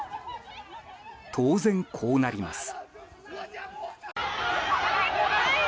当然、こうなります。